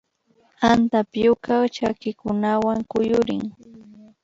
Antapyuka chakikunawan kuyurin